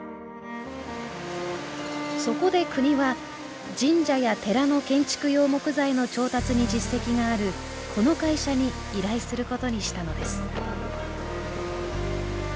そこで国は神社や寺の建築用木材の調達に実績があるこの会社に依頼することにしたのです